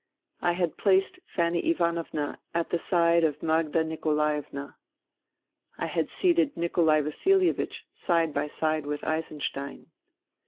I had placed Fanny Ivanovna at the side of Magda Nikolaevna. I had seated Nikolai Vasilievich side by side with Eisenstein.